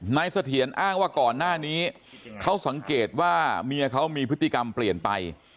เสถียรอ้างว่าก่อนหน้านี้เขาสังเกตว่าเมียเขามีพฤติกรรมเปลี่ยนไป